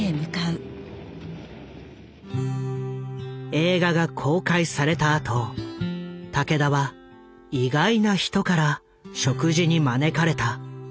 映画が公開されたあと武田は意外な人から食事に招かれた。